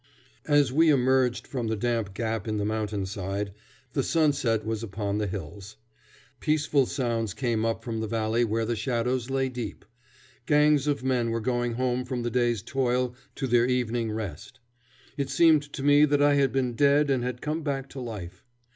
As we emerged from the damp gap in the mountain side, the sunset was upon the hills. Peaceful sounds came up from the valley where the shadows lay deep. Gangs of men were going home from the day's toil to their evening rest It seemed to me that I had been dead and had come back to life.